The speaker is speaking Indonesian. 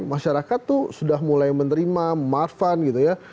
masyarakat tuh sudah mulai menerima marffan gitu ya